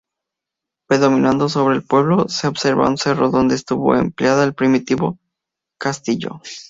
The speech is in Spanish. Predominando sobre el pueblo, se observa un cerro donde estuvo emplazado el primitivo castillo.